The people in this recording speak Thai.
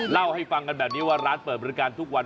เล่าให้ฟังกันแบบนี้ว่าร้านเปิดบริการทุกวัน